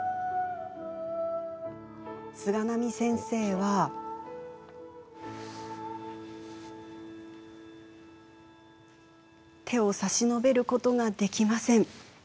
菅波先生は手を差し伸べることができません。